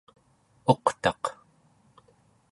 uqtaq